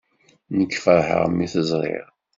Nekk ferḥeɣ mi t-ẓriɣ.